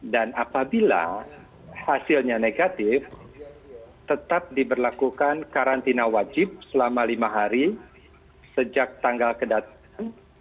dan apabila hasilnya negatif tetap diberlakukan karantina wajib selama lima hari sejak tanggal kedatangan